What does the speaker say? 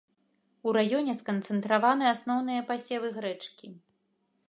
У раёне сканцэнтраваны асноўныя пасевы грэчкі.